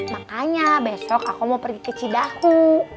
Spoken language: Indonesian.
makanya besok aku mau pergi ke cidahu